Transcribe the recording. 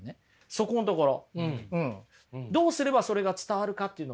そこんところ。